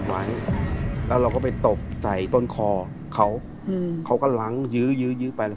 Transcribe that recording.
ไว้แล้วเราก็ไปตบใส่ต้นคอเขาอืมเขาก็ล้างยื้อยยื้อยื้อไปแล้ว